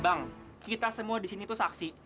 bang kita semua disini tuh saksi